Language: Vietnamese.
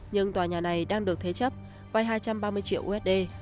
nhưng tòa nhà này đang được thế chấp vay hai trăm ba mươi triệu usd